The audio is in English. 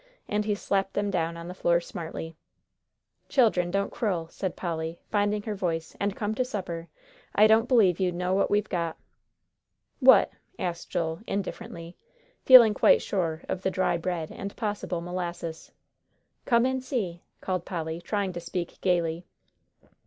And he slapped them down on the floor smartly. "Children, don't quarrel," said Polly, finding her voice, "and come to supper. I don't b'lieve you know what we've got." "What?" asked Joel, indifferently, feeling quite sure of the dry bread and possible molasses. "Come and see," called Polly, trying to speak gayly.